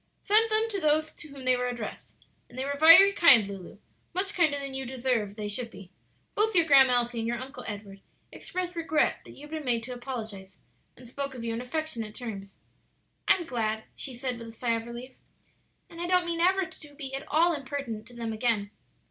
"Sent them to those to whom they were addressed. And they were very kind, Lulu; much kinder than you deserved they should be; both your Grandma Elsie and your Uncle Edward expressed regret that you had been made to apologize, and spoke of you in affectionate terms." "I'm glad,'" she said with a sigh of relief; "and I don't mean ever to be at all impertinent to them again."